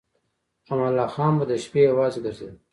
امان الله خان به د شپې یوازې ګرځېده.